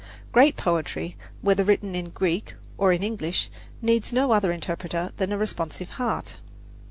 Great poetry, whether written in Greek or in English, needs no other interpreter than a responsive heart.